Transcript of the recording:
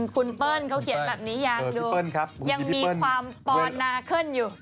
คุณเปิ้ลเขาเขียนแบบนี้อย่างดูพี่เปิ้ลครับยังมีความปอนนาเคิ้นอยู่